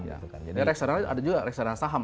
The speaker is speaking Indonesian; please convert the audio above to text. jadi reksadana itu ada juga reksadana saham